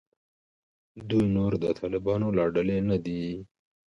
دوی نور د طالبانو له ډلې نه دي.